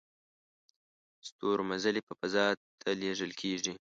ستورمزلي په فضا ته لیږل کیږي